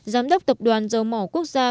giám đốc tập đoàn dầu mỏ quốc gia